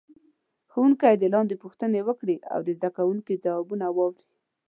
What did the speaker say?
ښوونکی دې لاندې پوښتنه وکړي او د زده کوونکو ځوابونه واوري.